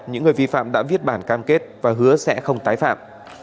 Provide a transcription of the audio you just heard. những người vi phạm đã viết bản cam kết và hứa sẽ không tái phạm